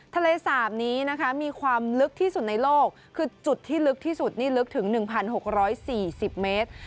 ทะเลสาบนี้นะคะมีความลึกที่สุดในโลกคือจุดที่ลึกที่สุดนี่ลึกถึง๑๖๔๐เมตร